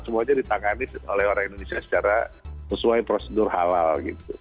semuanya ditangani oleh orang indonesia secara sesuai prosedur halal gitu